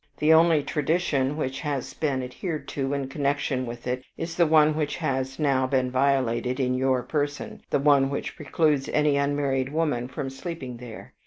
The only tradition which has been adhered to in connection with it is the one which has now been violated in your person the one which precludes any unmarried woman from sleeping there.